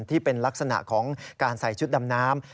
ที่เป็นลักษณะของการใส่ชุดดำน้ำ